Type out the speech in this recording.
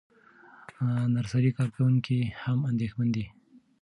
نرسري کارکوونکي هم اندېښمن دي.